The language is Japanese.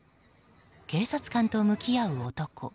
警察官と向き合う男。